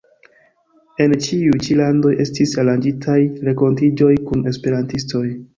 En ĉiuj ĉi landoj estis aranĝitaj renkontiĝoj kun esperantistoj.